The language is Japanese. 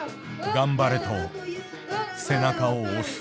頑張れと背中を押す。